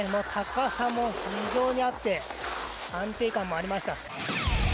高さも非常にあって安定感もありました。